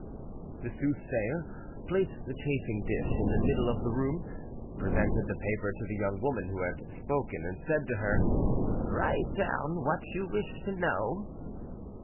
The soothsayer placed the chafing dish in the middle of the room, presented the paper to the young woman who had spoken, and said to her— "Write down what you wish to know."